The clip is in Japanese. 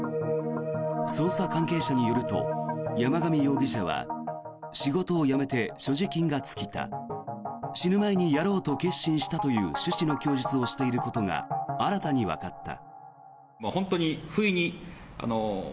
捜査関係者によると山上容疑者は仕事を辞めて所持金が尽きた死ぬ前にやろうと決心したという趣旨の供述をしていることが新たにわかった。